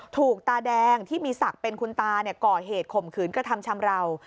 ตาแดงที่มีศักดิ์เป็นคุณตาก่อเหตุข่มขืนกระทำชำราว